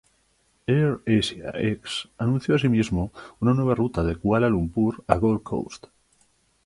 AirAsia X anunció así mismo una nueva ruta de Kuala Lumpur a Gold Coast.